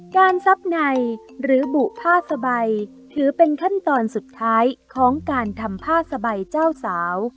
ซับในหรือบุผ้าสบายถือเป็นขั้นตอนสุดท้ายของการทำผ้าสบายเจ้าสาว